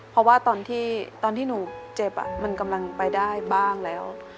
เพราะว่าตอนที่หนูเจ็บมันกำลังไปได้บ้างแล้ว